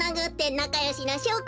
なかよしのしょうこか。